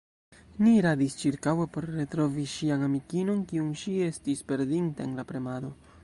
Ni iradis ĉirkaŭe, por retrovi ŝian amikinon, kiun ŝi estis perdinta en la premado.